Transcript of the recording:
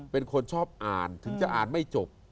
เป็นคนชอบอ่านถึงจะอ่านไม่จบ